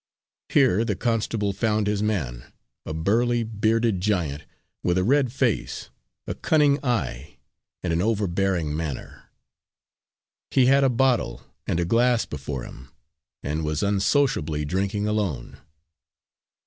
Here the constable found his man a burly, bearded giant, with a red face, a cunning eye and an overbearing manner. He had a bottle and a glass before him, and was unsociably drinking alone.